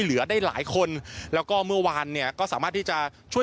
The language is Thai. เหลือได้หลายคนแล้วก็เมื่อวานเนี่ยก็สามารถที่จะช่วย